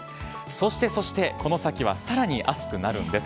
そしてそして、この先はさらに暑くなるんです。